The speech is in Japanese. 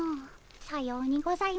さようにございますねえ。